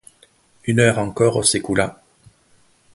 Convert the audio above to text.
Une heure encore s’écoula.